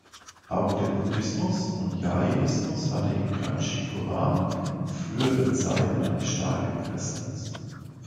Auch der Buddhismus und Jainismus hatten in Kanchipuram in früheren Zeiten eine starke Präsenz.